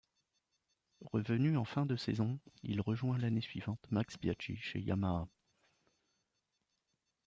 Revenu en fin de saison, il rejoint l'année suivante Max Biaggi chez Yamaha.